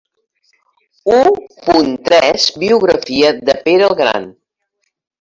U punt tres Biografia de Pere el Gran.